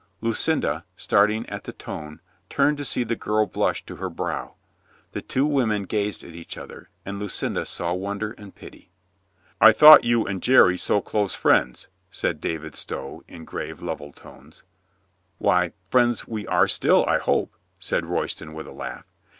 Lucinda, starting at the tone, turned to see the girl blush to her brow. The two women gazed at each other, and Lucinda saw wonder and pity. "I thought you and Jerry so close friends," said David Stow in grave, level tones. "Why, friends we are still, I hope," said Roy ston with a laugh.